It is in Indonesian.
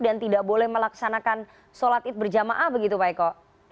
dan tidak boleh melaksanakan sholat idul fitri berjamaah begitu pak eko